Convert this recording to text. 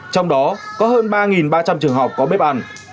trong đó có hơn ba ba trăm linh trường học có bếp ăn